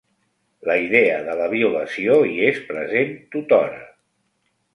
La idea de la violació hi és present tothora.